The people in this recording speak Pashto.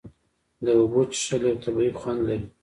د اوبو څښل یو طبیعي خوند لري.